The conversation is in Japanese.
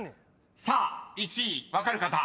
［さあ１位分かる方］